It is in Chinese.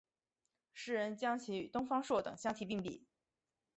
时人将其与东方朔等相提并比。